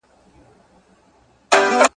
شتمن خلګ خپل مالونه حسابوي.